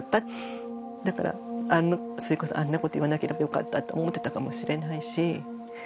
だからそれこそあんなこと言わなければよかったと思ってたかもしれないし。